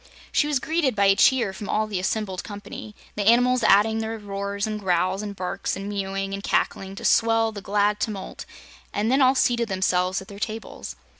She was greeted by a cheer from all the assembled company, the animals adding their roars and growls and barks and mewing and cackling to swell the glad tumult, and then all seated themselves at their tables.